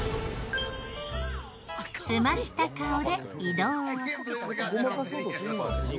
すました顔で移動。